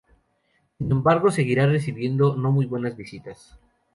Sin embargo seguirá recibiendo no muy buenas visitas.